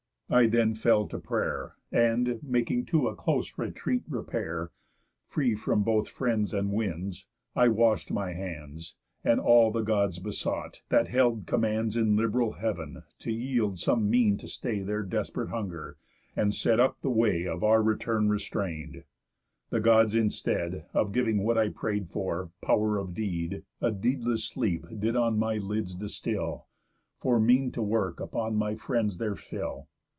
I then fell to pray'r, And (making to a close retreat repair, Free from both friends and winds) I wash'd my hands, And all the Gods besought, that held commands In liberal heav'n, to yield some mean to stay Their desp'rate hunger, and set up the way Of our return restrain'd. The Gods, instead Of giving what I pray'd for—pow'r of deed— A deedless sleep did on my lids distill, For mean to work upon my friends their fill.